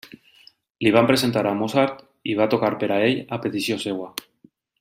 Li van presentar a Mozart i va tocar per a ell a petició seva.